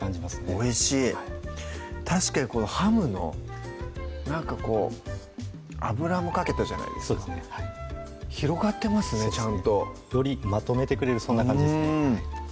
おいしい確かにこのハムのなんかこう油もかけたじゃないですかそうですねはい広がってますねちゃんとよりまとめてくれるそんな感じですね